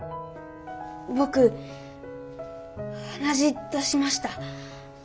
僕鼻血出しました。